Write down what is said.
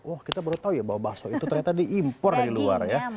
wah kita baru tahu ya bahwa bakso itu ternyata diimpor dari luar ya